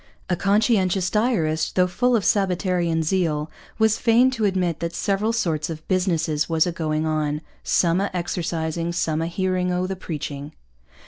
A conscientious diarist, though full of sabbatarian zeal, was fain to admit that 'Severall sorts of Busnesses was a Going on: Sum a Exercising, Sum a Hearing o' the Preaching.'